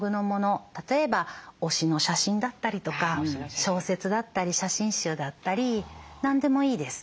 例えば推しの写真だったりとか小説だったり写真集だったり何でもいいです。